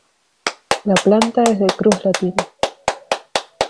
La planta es de cruz latina.